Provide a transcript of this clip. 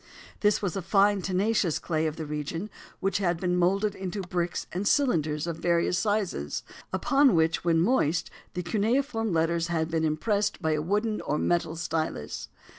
This was a fine, tenacious clay of the region which had been moulded into bricks and cylinders of various sizes, upon which when moist the cuneiform letters had been impressed by a wooden or metal stylus.